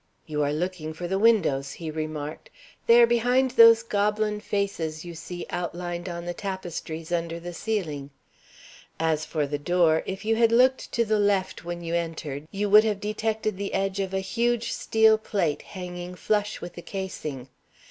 "You are looking for the windows," he remarked. "They are behind those goblin faces you see outlined on the tapestries under the ceiling. As for the door, if you had looked to the left when you entered, you would have detected the edge of a huge steel plate hanging flush with the casing.